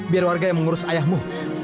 biar warga yang mengurus ayahmu